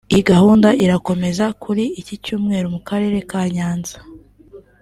Iyi gahunda irakomeza kuri iki Cyumweru mu karere ka Nyanza